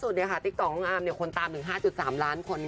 ติ๊กต่อติ๊กต่อน้องอามเนี่ยคนตามถึง๕๓ล้านคนค่ะ